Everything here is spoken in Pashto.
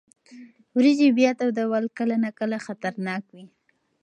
وریجې بیا تودول کله ناکله خطرناک وي.